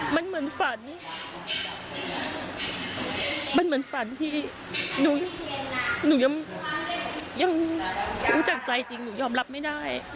มันเหมือนฝันมันเหมือนฝันที่หนูยังรู้จักใจจริงหนูยอมรับไม่ได้